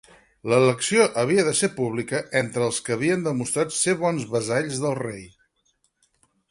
L'elecció havia de ser pública, entre els que havien demostrat ser bons vassalls del rei.